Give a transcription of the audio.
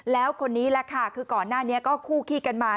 แล้วคนนี้แหละค่ะคือก่อนหน้านี้ก็คู่ขี้กันมา